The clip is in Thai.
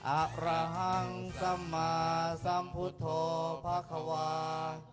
อารหังสัมมาสัมพุทธโภควา